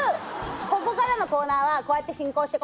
ここからのコーナーはこうやって進行してこ